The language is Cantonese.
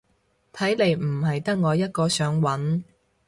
睇嚟唔係得我一個想搵